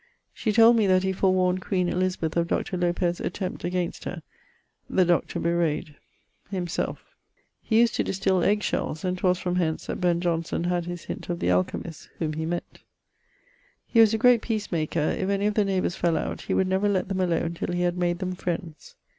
She told me that he forewarned Q. Elizabeth of Dr. Lopez attempt against her (the Dr. bewrayed, himselfe). He used to distill egge shells, and 'twas from hence that Ben Johnson had his hint of the alkimist, whom he meant. He was a great peace maker; if any of the neighbours fell out, he would never lett them alone till he had made them friends.